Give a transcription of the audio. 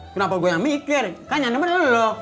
kenapa gue yang mikir kan yang nemenin lo